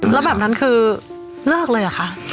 แล้วแบบนั้นคือเลิกเลยเหรอคะ